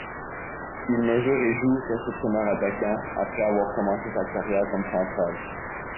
Il mesure et joue réceptionneur-attaquant après avoir commencé sa carrière comme central.